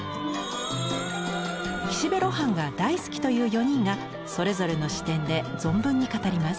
岸辺露伴が大好きという４人がそれぞれの視点で存分に語ります。